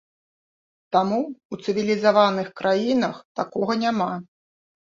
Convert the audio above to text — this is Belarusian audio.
Таму ў цывілізаваных краінах такога няма.